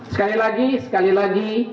sekali lagi sekali lagi